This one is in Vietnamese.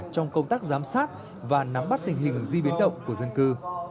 trong công tác giám sát và nắm bắt tình hình di biến động của dân cư